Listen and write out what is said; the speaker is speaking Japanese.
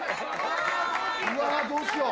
うわどうしよう。